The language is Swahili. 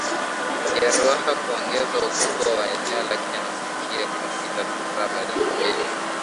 ya Ruaha kuongezwa ukubwa wa eneo lake na kufikia kilomita za mraba elfu mbili